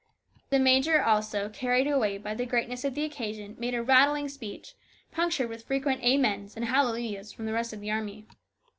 The major, also, carried away by the greatness of the occasion, made a rattling speech, punctured with frequent amens and hallelujahs from the rest of the army.